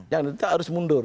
yang kita harus mundur